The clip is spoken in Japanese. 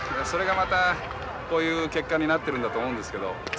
それがまたこういう結果になってるんだと思うんですけど。